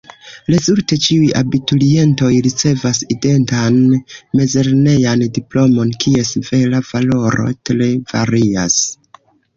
Rezulte: ĉiuj abiturientoj ricevas identan mezlernejan diplomon, kies vera valoro tre varias.